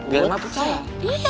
biar emang percaya